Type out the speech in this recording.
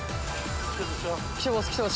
きてますきてます！